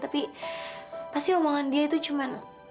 tapi pasti omongan dia itu cuma